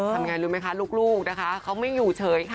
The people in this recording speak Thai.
ทำไงรู้ไหมคะลูกนะคะเขาไม่อยู่เฉยค่ะ